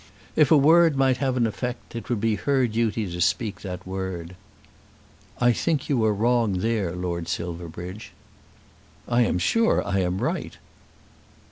If a word might have an effect it would be her duty to speak that word. "I think you are wrong there, Lord Silverbridge." "I am sure I am right."